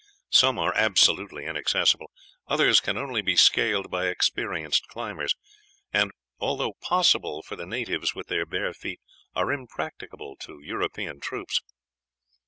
Some are absolutely inaccessible; others can only be scaled by experienced climbers; and, although possible for the natives with their bare feet, are impracticable to European troops.